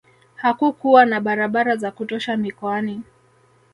hakukuwa na barabara za kutosha mikoani